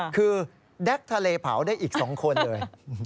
คือแก๊กทะเลเผาได้อีก๒คนเลย